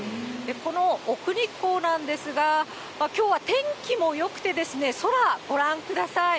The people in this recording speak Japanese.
この奥日光なんですが、きょうは天気もよくて、空、ご覧ください。